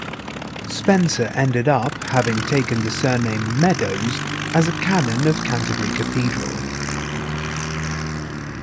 Spencer ended up, having taken the surname Meadowes, as a canon of Canterbury Cathedral.